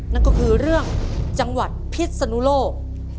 นั่นก็คือเรื่องจังหวัดพิษนุโลก